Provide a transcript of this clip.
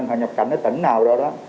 họ nhập cảnh ở tỉnh nào đâu đó